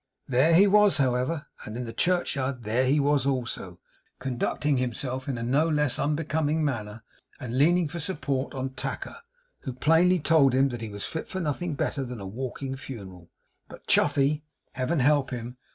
There he was, however; and in the churchyard there he was, also, conducting himself in a no less unbecoming manner, and leaning for support on Tacker, who plainly told him that he was fit for nothing better than a walking funeral. But Chuffey, Heaven help him!